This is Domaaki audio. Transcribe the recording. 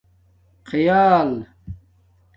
خیال